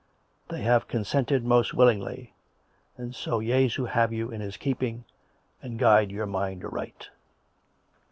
They have consented most willingly ; and so Jesu have you in His keeping, and guide your mind aright."